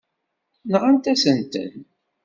Nɣant-asent-ten.